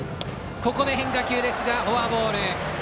ここで変化球ですがフォアボール。